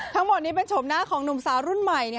ทั้งหมดนี้เป็นชมหน้าของหนุ่มสาวรุ่นใหม่